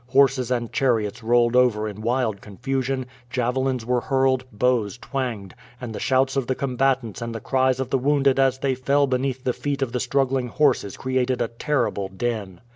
Horses and chariots rolled over in wild confusion, javelins were hurled, bows twanged, and the shouts of the combatants and the cries of the wounded as they fell beneath the feet of the struggling horses created a terrible din.